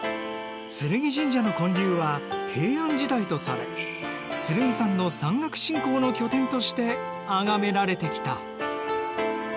劔神社の建立は平安時代とされ剣山の山岳信仰の拠点としてあがめられてきた。